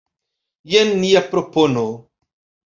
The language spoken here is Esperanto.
Jen nia propono.